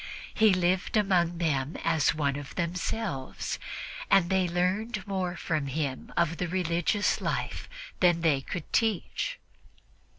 He lived among them as one of themselves, and they learned more from him of the religious life than they could teach.